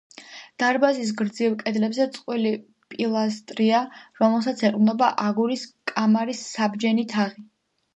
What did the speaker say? დარბაზის გრძივ კედლებზე წყვილი პილასტრია, რომელსაც ეყრდნობა აგურის კამარის საბჯენი თაღი.